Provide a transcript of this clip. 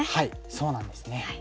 そうなんですね。